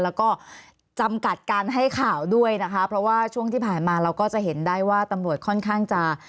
แล้วก็จำกัดการให้ข่าวด้วยนะคะเพราะว่าช่วงที่ผ่านมาเราก็จะเห็นได้ว่าตำรวจค่อนข้างจะ